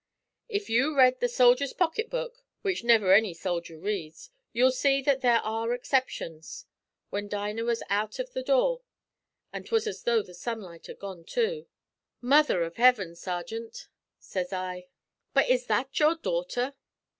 "If you read the 'Soldier's Pocket Book,' which never any soldier reads, you'll see that there are exceptions. When Dinah was out av the door (an' 'twas as tho' the sunlight had gone too), 'Mother av Hiven, sergint!' sez I, 'but is that your daughter?'